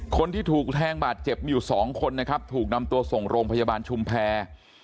คนที่ถูกแทงบาดเจ็บมีอยู่สองคนนะครับถูกนำตัวส่งโรงพยาบาลชุมแพร